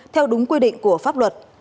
theo đúng quy định của pháp luật